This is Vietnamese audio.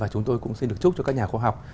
chúng tôi cũng xin được chúc cho các nhà khoa học